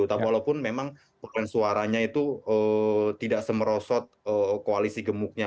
tapi walaupun memang suaranya itu tidak semerosot koalisi gemuknya